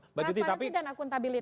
transparansi dan akuntabilitas